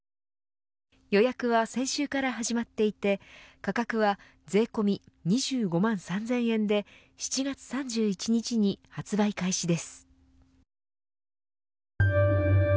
予約は先週から始まっていて価格は税込み２５万３０００円で７月３１日に発売開始です。